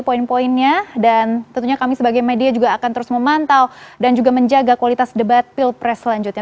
poin poinnya dan tentunya kami sebagai media juga akan terus memantau dan juga menjaga kualitas debat pilpres selanjutnya